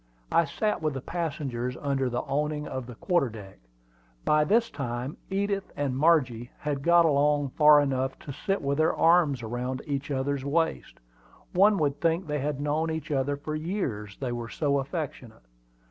I sat with the passengers under the awning on the quarter deck. By this time Edith and Margie had got along far enough to sit with their arms around each other's waists. One would think they had known each other for years, they were so affectionate.